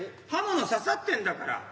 刃物刺さってんだから。